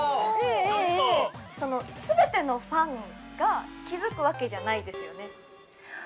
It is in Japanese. ◆全てのファンが気づくわけじゃないですよね。